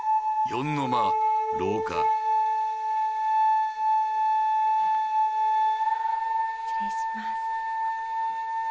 四の間廊下失礼します。